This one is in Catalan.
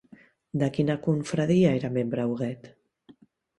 De quina confraria era membre Huguet?